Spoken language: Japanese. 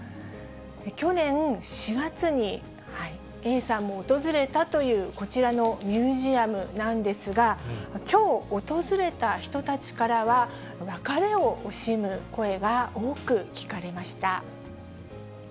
去年４月にＡさんも訪れたというこちらのミュージアムなんですが、きょう訪れた人たちからは、別れを惜しむ声が多く聞かれました。